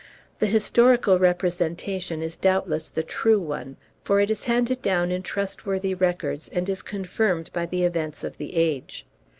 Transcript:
The historical representation is doubtless the true one, for it is handed down in trustworthy records, and is confirmed by the events of the age.